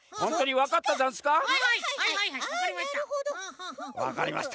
わかりました。